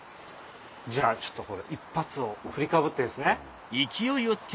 じゃあちょっと１発を振りかぶってですね。